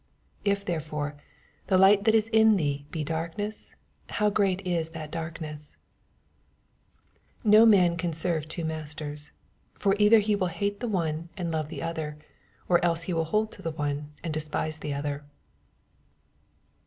If therefore the light that is in thee be darkness, how great is that dark ness I 24 No man can serve two masters : for either he will hate the one, and love the other, or else he will hold to the one, and despise the other.